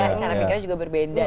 cara pikirnya juga berbeda